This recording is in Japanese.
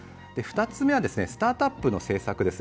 ２つ目はスタートアップの政策です